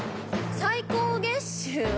最高月収は。